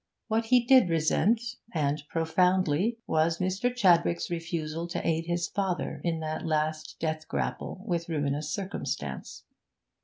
What he did resent, and profoundly, was Mr. Chadwick's refusal to aid his father in that last death grapple with ruinous circumstance.